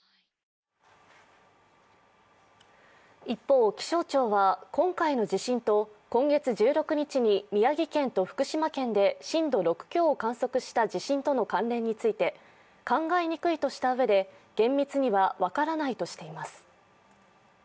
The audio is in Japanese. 一方、気象庁は今回の地震と今月１６日に宮城県と福島県で震度６強を観測した地震との関連について、考えにくいとしたうえで厳密には分からないとしています。